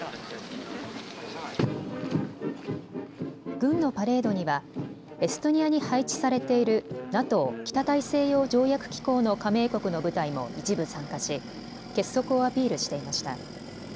軍のパレードにはエストニアに配置されているＮＡＴＯ・北大西洋条約機構の加盟国の部隊も一部参加し結束をアピールしていました。